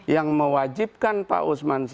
yang mewajibkan pak uso